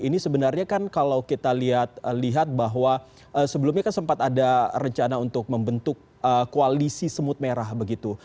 ini sebenarnya kan kalau kita lihat bahwa sebelumnya kan sempat ada rencana untuk membentuk koalisi semut merah begitu